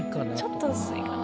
ちょっと薄いかな。